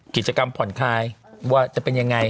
กิจกรรมผ่อนคลายว่าจะเป็นยังไง